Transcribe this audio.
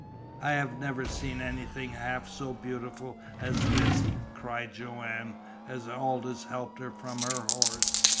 "I have never seen anything a half so beautiful as this!" cried Joanne, as Aldous helped her from her horse.